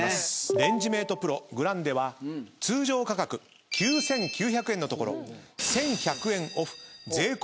レンジメートＰＲＯグランデは通常価格９，９００円のところ１，１００円オフ税込み８，８００円です。